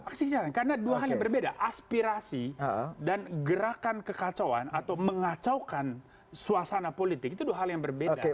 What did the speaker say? aksi kejahatan karena dua hal yang berbeda aspirasi dan gerakan kekacauan atau mengacaukan suasana politik itu dua hal yang berbeda